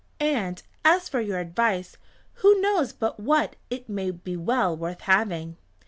And as for your advice, who knows but what it may be well worth having?"